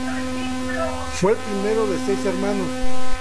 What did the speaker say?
Fue el primer de seis hermanos.